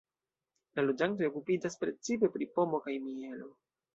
La loĝantoj okupiĝas precipe pri pomo kaj mielo.